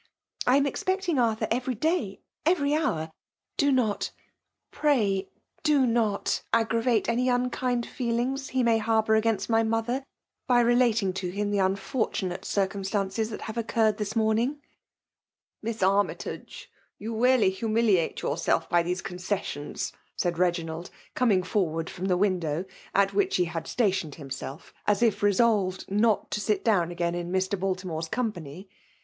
I am expecting Arthur every day, every hovr« Do not, pray do not, aggravate any unload feelings he may harbour against my mother* bj relating to him the unfortunate circum* stances that have occurred this morning !"'< Miss Aimytage, you really humiliate your self by these concessions," said Beginald, com ing Socward from the window, at which he had stationed himself as if resolved not to sit down HgBiijx in Mr. Baltimoie'a company.